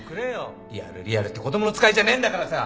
リアルリアルって子供の使いじゃねえんだからさ！